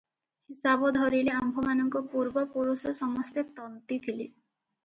ହିସାବ ଧରିଲେ ଆମ୍ଭମାନଙ୍କ ପୂର୍ବପୁରୁଷ ସମସ୍ତେ ତନ୍ତୀ ଥିଲେ ।